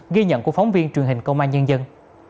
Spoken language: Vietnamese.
ghi nhận của phóng viên truyền hình công an nhân dân